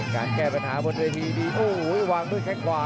การแก้ปัญหาบนเวทีดีโอ้โหวางด้วยแข้งขวา